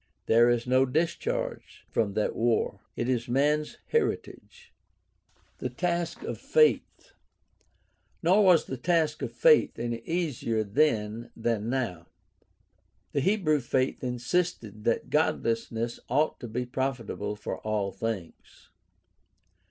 There is no discharge from that war. It is man's heritage. The task of faith. — Nor was the task of faith any easier then than now. The Hebrew faith insisted that godliness ought to be profitable for all things.